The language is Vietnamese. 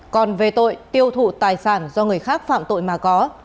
còn về tội tiêu thụ tài sản do người khác phạm tội mà có